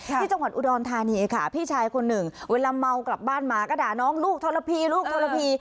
ที่จังหวัดอุดรธานีค่ะพี่ชายคนหนึ่งเวลาเมากลับบ้านมาก็ด่าน้องลูกทรพีลูกทรพี